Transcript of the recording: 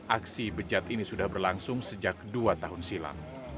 aksi bejat ini sudah berlangsung sejak dua tahun silam